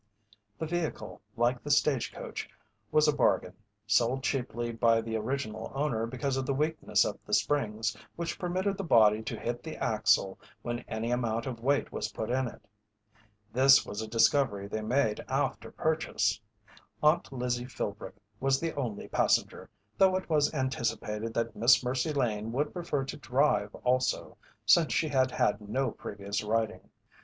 The vehicle, like the stage coach, was a bargain, sold cheaply by the original owner because of the weakness of the springs, which permitted the body to hit the axle when any amount of weight was put in it. This was a discovery they made after purchase. Aunt Lizzie Philbrick was the only passenger, though it was anticipated that Miss Mercy Lane would prefer to drive also, since she had had no previous riding.